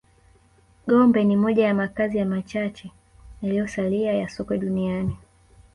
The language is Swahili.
Gombe ni moja ya makazi ya machache yaliyosalia ya Sokwe duniani